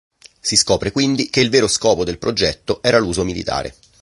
Si scopre quindi che il vero scopo del progetto era l'uso militare.